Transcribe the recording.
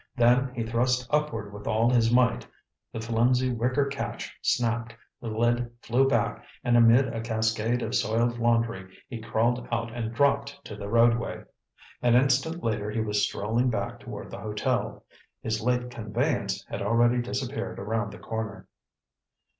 Then he thrust upward with all his might. The flimsy wicker catch snapped, the lid flew back, and amid a cascade of soiled laundry, he crawled out and dropped to the roadway. An instant later, he was strolling back toward the hotel. His late conveyance had already disappeared around the corner.